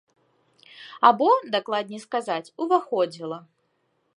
Або, дакладней сказаць, уваходзіла.